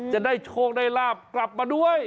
จะได้โชคได้ลาบกลับมาด้วย